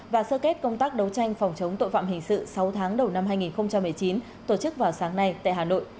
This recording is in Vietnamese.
và sơ kết công tác đấu tranh phòng chống tội phạm hình sự sáu tháng đầu năm hai nghìn một mươi chín tổ chức vào sáng nay tại hà nội